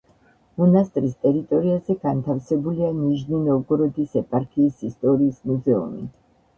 მონასტრის ტერიტორიაზე განთავსებულია ნიჟნი-ნოვგოროდის ეპარქიის ისტორიის მუზეუმი.